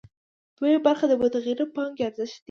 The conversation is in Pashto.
دویمه برخه د متغیرې پانګې ارزښت دی